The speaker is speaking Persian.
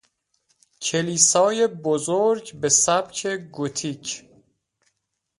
کلیسای بزرگ به سبک گوتیک